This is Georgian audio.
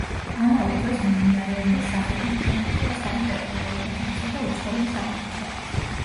ამავე დროს, მიმდინარეობდა სახლების მშენებლობა საიმპერატორო ოჯახებისა და უცხოური სამეფოსათვის.